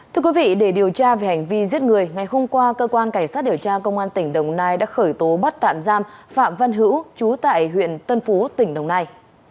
thưa quý vị để điều tra về hành vi giết người ngày hôm qua cơ quan cảnh sát điều tra công an tỉnh đồng nai đã khởi tố bắt tạm giam phạm văn hữu chú tại huyện tân phú tỉnh đồng nai